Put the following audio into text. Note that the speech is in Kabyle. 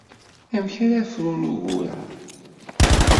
Amek ara frun ugur-a?